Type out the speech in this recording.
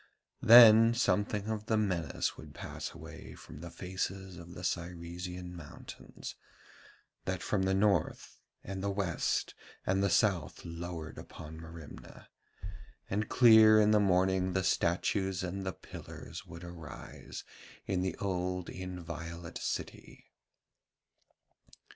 Then something of the menace would pass away from the faces of the Cyresian mountains, that from the north and the west and the south lowered upon Merimna, and clear in the morning the statues and the pillars would arise in the old inviolate city.